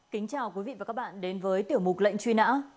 kính chào quý vị và các bạn đến với tiểu mục lệnh truy nã